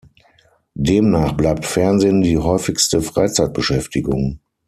Demnach bleibt Fernsehen die häufigste Freizeitbeschäftigung.